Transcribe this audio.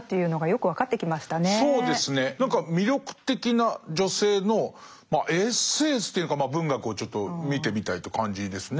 何か魅力的な女性のエッセンスというのかまあ文学をちょっと見てみたいって感じですね。